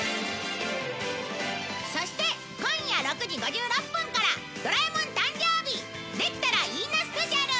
そして今夜６時５６分から『ドラえもん』誕生日「できたらいいな」スペシャル